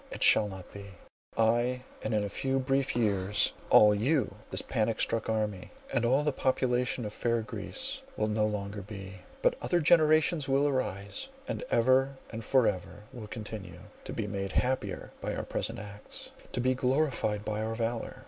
It shall not be! "I, and in a few brief years, all you,—this panic struck army, and all the population of fair Greece, will no longer be. But other generations will arise, and ever and for ever will continue, to be made happier by our present acts, to be glorified by our valour.